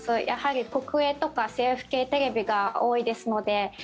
やはり国営とか政府系テレビが多いですので。